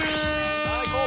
さあいこう！